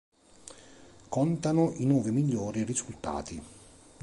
Contano i nove migliori risultati